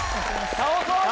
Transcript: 倒そうぜ！